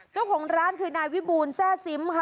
เจ้าของร้านคือนายวิบูลแซ่ซิมค่ะ